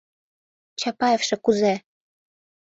— Чапаевше кузе?